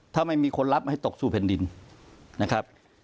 ถ้าไม่มีคนรับให้ตกสู่แผ่นดินนะครับ